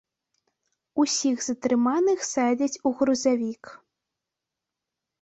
Усіх затрыманых садзяць у грузавік.